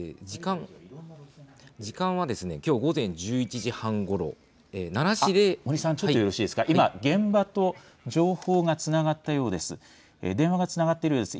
時間はきょう午前１１時半ごろ、森さん、ちょっとよろしいですか、今、現場と電話がつながっているようです。